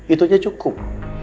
itu aja cukup